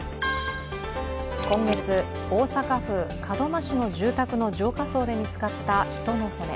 今月、大阪府門真市の住宅の浄化槽で見つかった人の骨。